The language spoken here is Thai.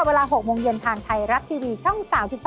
เวลา๖โมงเย็นทางไทยรัฐทีวีช่อง๓๒